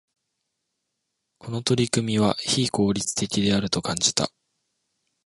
この取り組みは、非効率的であると感じた。